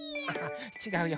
ちがうよ。